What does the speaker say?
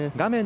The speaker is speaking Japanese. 画面